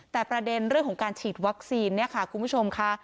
แต่ประเด็นเรื่องของการฉีดวัคซีนเนี่ยค่ะคุณผู้ชมค่ะ